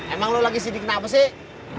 emang lo lagi sidik kenapa sih